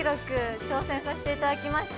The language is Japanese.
挑戦させていただきました。